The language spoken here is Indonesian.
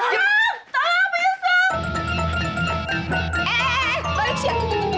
eh balik sia